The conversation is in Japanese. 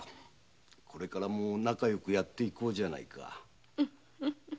これからも仲よくやっていこうじゃないか。